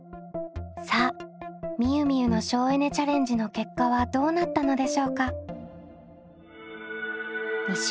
さあみゆみゆの省エネ・チャレンジの結果はどうなったのでしょうか？